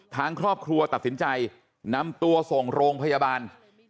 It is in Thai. ทางครอบครัวตัดสินใจนำตัวส่งโรงพยาบาล